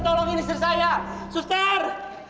sampai sini aja pak